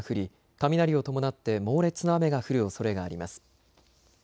雷を伴って猛烈な雨が降るおそれがあります。